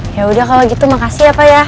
yaudah kalo gitu makasih ya pak ya